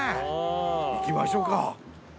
行きましょうか。